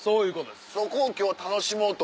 そこを今日は楽しもうと。